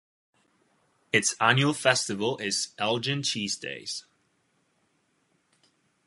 Its annual festival is "Elgin Cheese Days".